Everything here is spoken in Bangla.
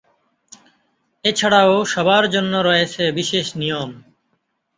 এছাড়াও সবার জন্য রয়েছে বিশেষ নিয়ম।